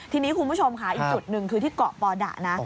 ทีนี้คุณผู้ชมค่ะอีกจุดหนึ่งคือที่เกาะปอดะนะ